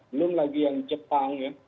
belum lagi yang jepang ya